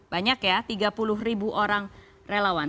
banyak ya tiga puluh ribu orang relawan